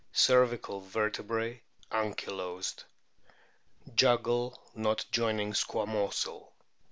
Cervi cal vertebrae ankylosed. Jugal not joining squamosal.